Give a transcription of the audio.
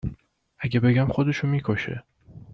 .اگه بگم خودشو می کشه